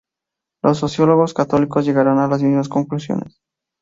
Los sociólogos católicos llegaron a las mismas conclusiones.